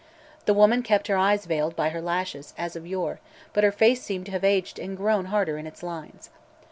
The woman kept her eyes veiled by her lashes, as of yore, but her face seemed to have aged and grown harder in its lines.